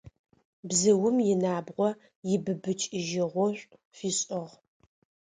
Бзыум инабгъо ибыбыкӏыжьыгъошӏу фишӏыгъ.